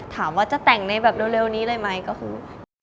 ถามว่าจะแต่งในแบบเร็วนี้เลยไหมก็คือ